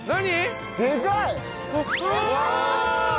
何？